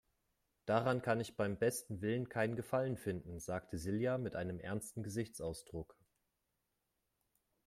"Daran kann ich beim besten Willen keinen Gefallen finden", sagte Silja mit einem ernsten Gesichtsausdruck.